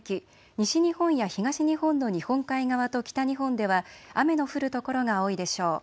西日本や東日本の日本海側と北日本では雨の降る所が多いでしょう。